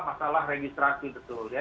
masalah registrasi betul ya